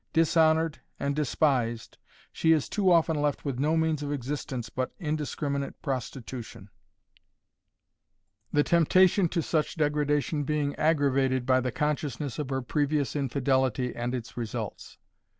Dishonored and despised, she is too often left with no means of existence but indiscriminate prostitution, the temptation to such degradation being aggravated by the consciousness of her previous infidelity and its results.